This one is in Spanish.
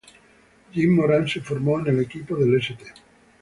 Jim Moran se formó en el equipo del St.